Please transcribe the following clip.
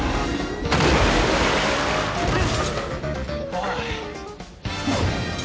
おい。